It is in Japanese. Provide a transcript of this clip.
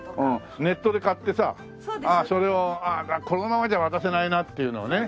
ネットで買ってさそれをこのままじゃ渡せないなっていうのをね。